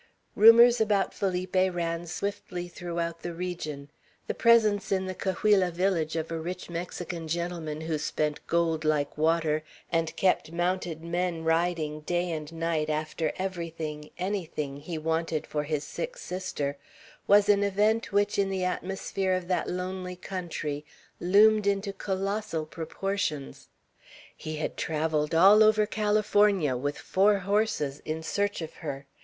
Rumors about Felipe ran swiftly throughout the region. The presence in the Cahuilla village of a rich Mexican gentleman who spent gold like water, and kept mounted men riding day and night, after everything, anything, he wanted for his sick sister, was an event which in the atmosphere of that lonely country loomed into colossal proportions. He had travelled all over California, with four horses, in search of her.